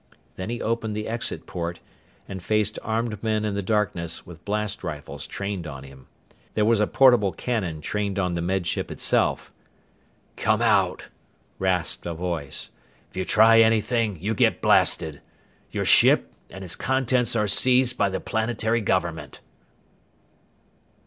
Then he opened the exit port and faced armed men in the darkness, with blast rifles trained on him. There was a portable cannon trained on the Med Ship itself. "Come out!" rasped a voice. "If you try anything you get blasted! Your ship and its contents are seized by the planetary government!"